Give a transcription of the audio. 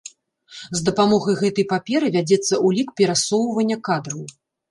З дапамогай гэтай паперы вядзецца ўлік перасоўвання кадраў.